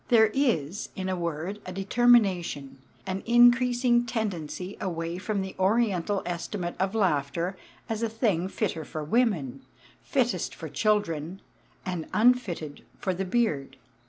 There is, in a word, a determination, an increasing tendency away from the Oriental estimate of laughter as a thing fitter for women, fittest for children, and unfitted for the beard.